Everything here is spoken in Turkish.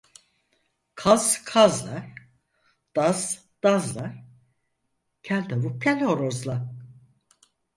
Kaz kazla, daz dazla, kel tavuk kelhorozla.